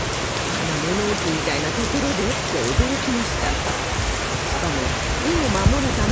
あんな物置みたいな所で？って驚きました。